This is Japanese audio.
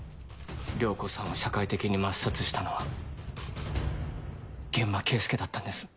涼子さんを社会的に抹殺したのは諫間慶介だったんです。